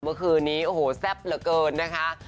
เมื่อคืนนี้โอ้โหแซ่บเหลือเกินนะคะ